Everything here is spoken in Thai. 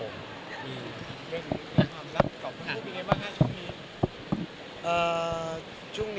สัมภาษณ์พี่คุณพูดอย่างไรบ้างครับช่วงนี้